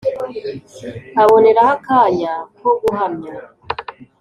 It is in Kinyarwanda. aboneraho akanya ko guhamya